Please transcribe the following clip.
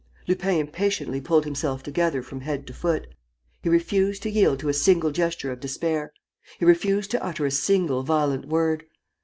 Lupin impatiently pulled himself together from head to foot. He refused to yield to a single gesture of despair. He refused to utter a single violent word.